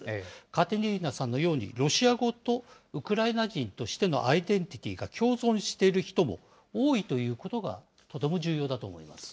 カテリーナさんのように、ロシア語とウクライナ人としてのアイデンティティが共存している人も多いということがとても重要だと思います。